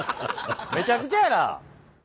めちゃくちゃやな。